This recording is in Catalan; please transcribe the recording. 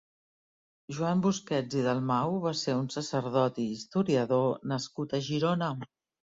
Joan Busquets i Dalmau va ser un sacerdot i historiador nascut a Girona.